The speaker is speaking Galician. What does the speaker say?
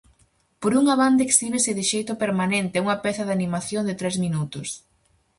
Por unha banda exhíbese de xeito permanente unha peza de animación de tres minutos.